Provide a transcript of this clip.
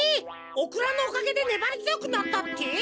オクラのおかげでねばりづよくなったって？